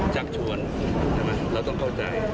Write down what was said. จากชวนเราต้องเข้าใจ